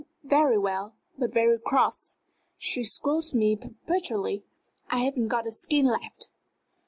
"Very well, but very cross. She scolds me perpetually I haven't got a skin left.